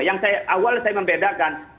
yang awal saya membedakan